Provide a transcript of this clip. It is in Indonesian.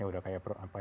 yang sudah kaya rempah